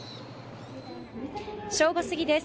正午過ぎです。